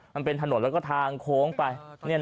มันเป็นถนนแล้วก็ทางโค้งไป